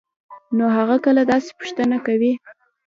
نو هغه کله داسې پوښتنه کوي؟؟